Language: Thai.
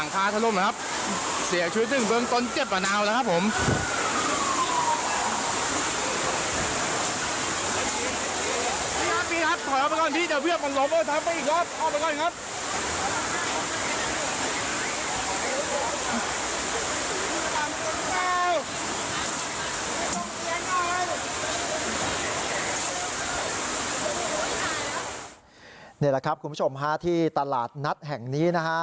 นี่แหละครับคุณผู้ชมฮะที่ตลาดนัดแห่งนี้นะฮะ